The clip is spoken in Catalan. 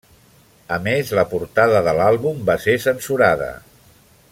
A més la portada de l'àlbum va ser censurada.